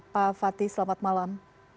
pak fatih selamat malam